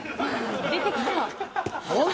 出てきた。